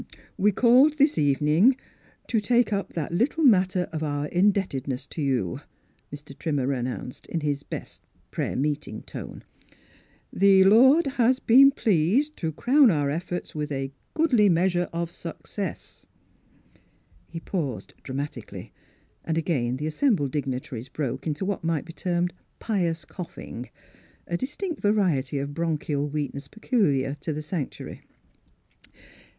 "— Er — we called this evening to take up that little matter of our indebted ness to you," Mr Trimmer announced, in his best prayer meeting tone. " The Lord has been pleased to crown our eff*orts with a goodly measure of success." He paused dramatically, and again the assembled dignitaries broke into what might be termed pious coughing, a dis tinct variety of bronchial weakness pecul iar to the sanctuary.